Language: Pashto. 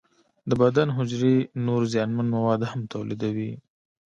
د بدن حجرې نور زیانمن مواد هم تولیدوي.